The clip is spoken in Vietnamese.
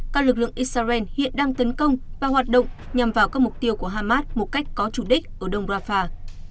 các lực lượng israel hiện đang tấn công và hoạt động nhằm vào các mục tiêu của hamas một cách có chủ đích ở đông rafah